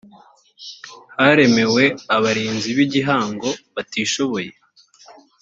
haremewe abarinzi b’igihango batishoboye